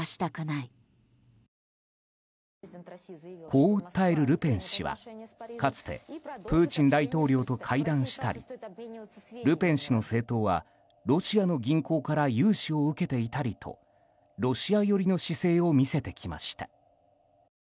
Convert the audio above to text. こう訴えるルペン氏はかつてプーチン大統領と会談したりルペン氏の政党はロシアの銀行から融資を受けていたりとロシア寄りの姿勢を見せてきました。